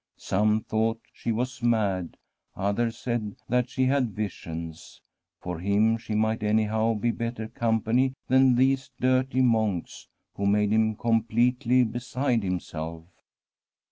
Some thought she was mad, others said that she had visions. For him she might, anyhow, be better company than these dirty monks, who made him completely beside himself.